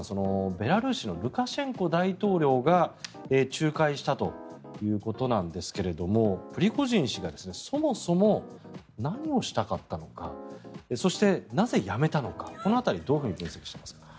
ベラルーシのルカシェンコ大統領が仲介したということなんですがプリゴジン氏がそもそも何をしたかったのかそして、なぜやめたのかこの辺りどう分析していますか？